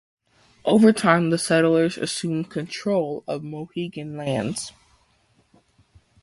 Over time the settlers assumed control of Mohegan lands.